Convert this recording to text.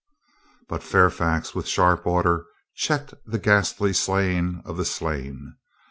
But Fairfax, with a sharp order, checked the ghastly slaying of the slain.